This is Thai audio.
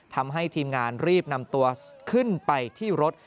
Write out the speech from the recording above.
ทำให้ทีมงานรีบนำตัวขึ้นไปที่รถ